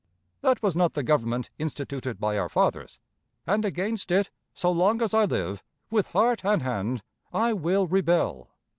That was not the Government instituted by our fathers; and against it, so long as I live, with heart and hand, I will rebel.